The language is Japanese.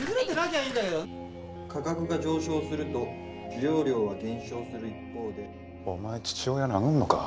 「価格が上昇すると需要量は減少する一方で」お前父親殴るのか？